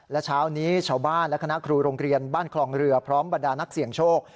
และเช้านี้ชาวบ้านและคณะครูโรงเรียนบ้านคลองเรือพร้อมบรรดานักเสี่ยงโชค